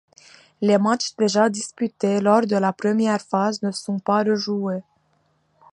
Les matchs déjà disputés lors de la première phase ne sont pas rejoués.